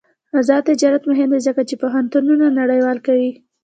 آزاد تجارت مهم دی ځکه چې پوهنتونونه نړیوال کوي.